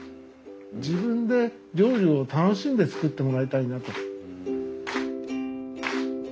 自分で料理を楽しんで作ってもらいたいなと。